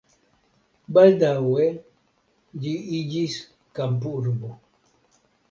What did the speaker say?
Baldaŭe ĝi iĝis kampurbo.